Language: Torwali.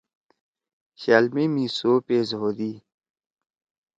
شألمی می سو پیس ہودی۔